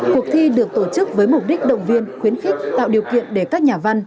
cuộc thi được tổ chức với mục đích động viên khuyến khích tạo điều kiện để các nhà văn